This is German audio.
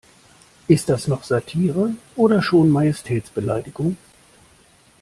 Ist das noch Satire oder schon Majestätsbeleidigung?